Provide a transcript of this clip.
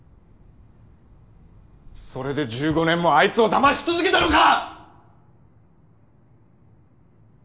それで１５年もあいつを騙し続けたのか！